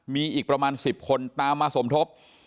มีอีกประมาณ๑๐คนตามมาสมทบ